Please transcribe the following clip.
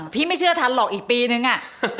ไม่เชื่อทันหรอกอีกปีนึงอะ